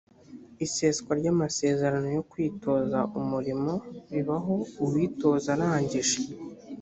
iseswa ry’amasezerano yo kwitoza umurimo ribaho uwitoza arangije